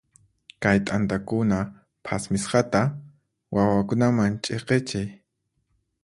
Kay t'antakuna phasmisqata wawakunaman ch'iqichiy.